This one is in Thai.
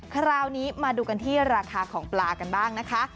คราวนี้มาดูกันที่ราคาของปลากันบ้างนะคะ